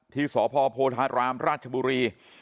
ที่สอพอบริษัทรรามราชบุรี